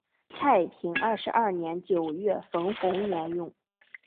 太平二十二年九月冯弘沿用。